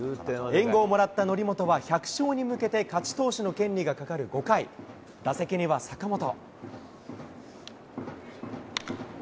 援護をもらった則本は、１００勝に向けて、勝ち投手の権利がかかる５回、打席には坂本。